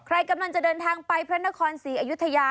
ใครกำลังจะเดินทางไปพระนครศรีอยุธยา